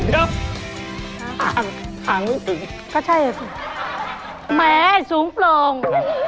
เดี๋ยวทางทางนึกถึง